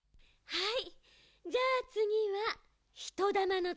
はい！